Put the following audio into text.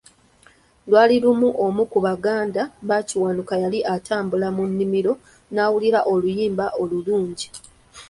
Lwali lumu omu ku baganda ba Kiwanuka yali atambula mu nnimiro n'awulira oluyimba olulungi .